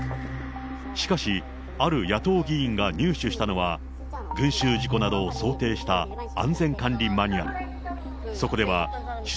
しかし、ある野党議員が入手したのは、群衆事故などを想定した安全管理マニュアル。